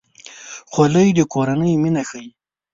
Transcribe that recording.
خولۍ د کورنۍ مینه ښيي.